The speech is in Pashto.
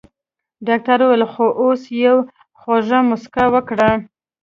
ډاکټر وويل خو اوس يوه خوږه مسکا وکړه.